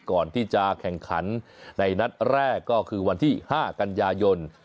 ก่อนที่จะแข่งขันในนัดแรกก็คือวันที่๕กันยายน